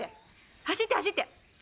走って走って。